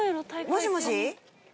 もしもし？